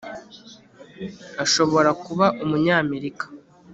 ashobora no kuba umunyamerika